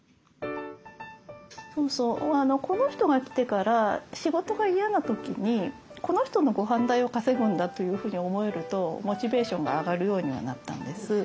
そうそうこの人が来てから仕事が嫌な時にこの人のごはん代を稼ぐんだというふうに思えるとモチベーションが上がるようにはなったんです。